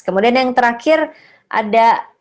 kemudian yang terakhir ada